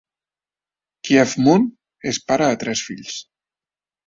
Chief-Moon és pare de tres fills.